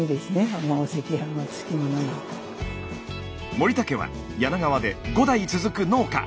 森田家は柳川で５代続く農家。